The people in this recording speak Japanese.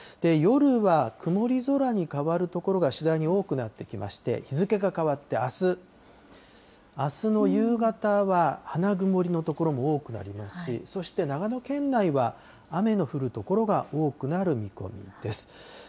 夜は曇り空に変わる所が次第に多くなってきまして、日付が変わってあす、あすの夕方は花曇りの所も多くなりますし、そして長野県内は、雨の降る所が多くなる見込みです。